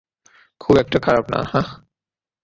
খুব একটা খারাপ না, হাহ?